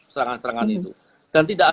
serangan serangan itu dan tidak